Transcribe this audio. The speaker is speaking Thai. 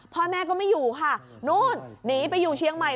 พ่อแม่ก็ไม่อยู่ค่ะนู่นหนีไปอยู่เชียงใหม่